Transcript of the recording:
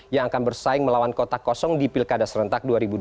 yang akan bersaing melawan kota kosong di pilkada serentak dua ribu dua puluh